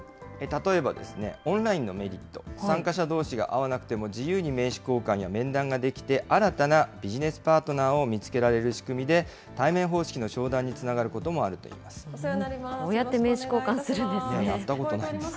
例えばですね、オンラインのメリット、参加者どうしが会わなくても自由に名刺交換や面談ができて、新たなビジネスパートナーを見つけられる仕組みで、対面方式の商談につながることもあるということです。